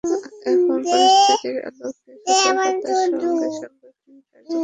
এখন পরিস্থিতির আলোকে সতর্কতার সঙ্গে সাংগঠনিক কার্যক্রম পরিচালনা করতে হচ্ছে, এটুকুই।